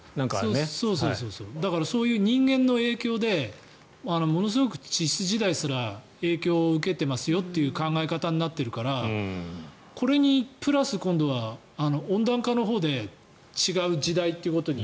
だからそういう人間の影響でものすごく地質時代すら影響を受けてますよという考え方になっているからこれにプラス今度は温暖化のほうで違う時代ということに